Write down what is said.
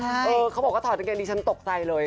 เออเขาบอกว่าถอดกางเกงดิฉันตกใจเลย